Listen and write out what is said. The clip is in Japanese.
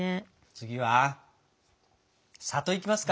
次は「里」いきますか？